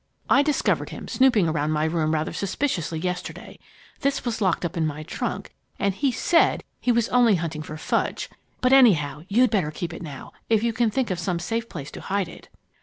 I discovered him snooping around my room rather suspiciously yesterday. This was locked up in my trunk, and he said he was only hunting for fudge! But anyhow, you'd better keep it now, if you can think of some safe place to hide it."